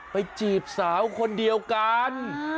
จีบสาวคนเดียวกัน